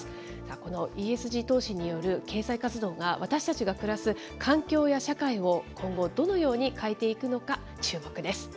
このＥＳＧ投資による経済活動が私たちが暮らす環境や社会を、今後どのように変えていくのか注目です。